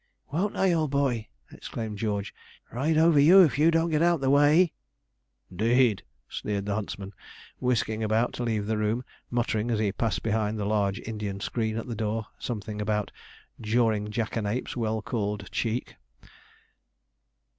'Won't I, old boy!' exclaimed George; 'ride over you, if you don't get out of the way.' ''Deed,' sneered the huntsman, whisking about to leave the room; muttering, as he passed behind the large Indian screen at the door, something about 'jawing jackanapes, well called Cheek.'